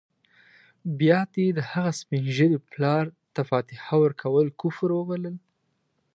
بيا دې د هغه سپین ږیري پلار ته فاتحه ورکول کفر وبلل.